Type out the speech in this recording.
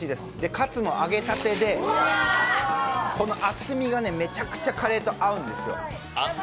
カツも揚げたてで、厚みがめちゃくちゃカレーと合うんですよ。